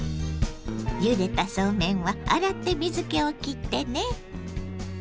ゆでたそうめんは洗って水けをきってね。